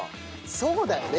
そうだよね。